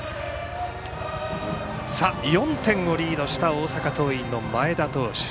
４点をリードした大阪桐蔭の前田投手。